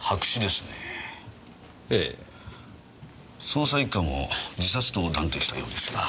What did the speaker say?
捜査一課も自殺と断定したようですが。